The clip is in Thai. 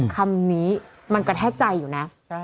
คำนี้มันกระแทกใจอยู่นะ